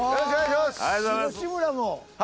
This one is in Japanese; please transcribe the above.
吉村も？